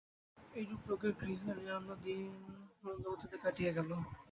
এইরূপে রোগীর গৃহে নিরানন্দ দিন মন্দগতিতে কাটিয়া গেল।